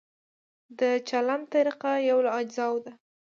د چلند طریقه یو له اجزاوو ده.